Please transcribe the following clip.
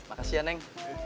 makasih ya neng